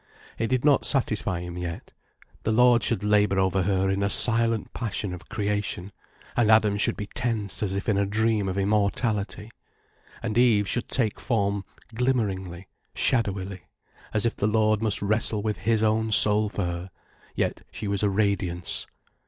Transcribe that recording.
It did not satisfy him yet. The Lord should labour over her in a silent passion of Creation, and Adam should be tense as if in a dream of immortality, and Eve should take form glimmeringly, shadowily, as if the Lord must wrestle with His own soul for her, yet she was a radiance.